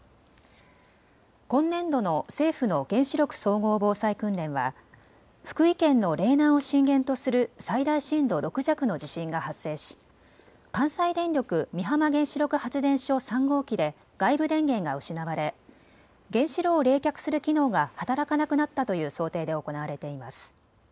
今年度の政府の原子力総合防災訓練は福井県の嶺南を震源とする最大震度６弱の地震が発生し関西電力美浜原子力発電所３号機で外部電源が失われ原子炉を冷却する機能が働かなくなったという想定で行われています。